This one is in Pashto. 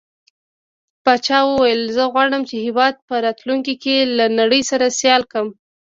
پاچا وويل: زه غواړم چې هيواد په راتلونکي کې له نړۍ سره سيال کړو.